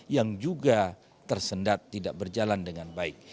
yang juga tersendat tidak berjalan dengan baik